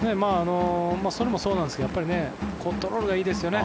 それもそうなんですけどやっぱりコントロールがいいですよね。